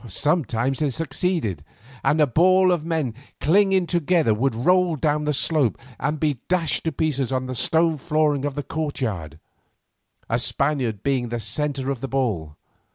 Sometimes they succeeded, and a ball of men clinging together would roll down the slope and be dashed to pieces on the stone flooring of the courtyard, a Spaniard being in the centre of the ball.